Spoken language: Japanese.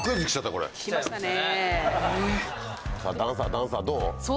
ダンサーどう？